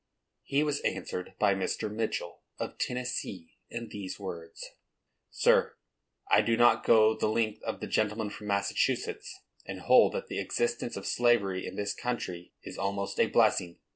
He was answered by Mr. Mitchell, of Tennessee, in these words: Sir, I do not go the length of the gentleman from Massachusetts, and hold that the existence of slavery in this country is almost a blessing.